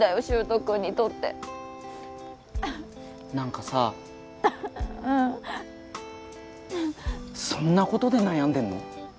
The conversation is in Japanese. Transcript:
柊人君にとって何かさうんそんなことで悩んでんの？